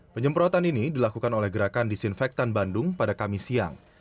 penyemprotan ini dilakukan oleh gerakan disinfektan bandung pada kamis siang